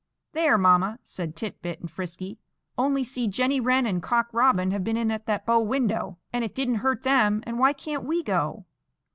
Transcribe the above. "There, mamma," said Tit bit and Frisky, "only see Jenny Wren and Cock Robin have been in at the bow window, and it didn't hurt them, and why can't we go?"